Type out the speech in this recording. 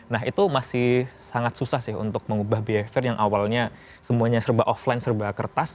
nah itu masih sangat susah sih untuk mengubah behavior yang awalnya semuanya serba offline serba kertas